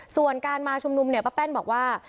ส่วนการมาชุมนุมเนี่ยป้าแป้นบอกว่า